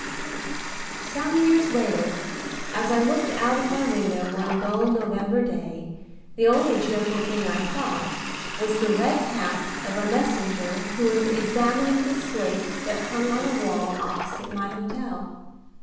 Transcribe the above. III Some years later, as I looked out of my window one dull November day, the only cheerful thing I saw was the red cap of a messenger who was examining the slate that hung on a wall opposite my hotel.